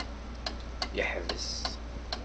Yeḥbes.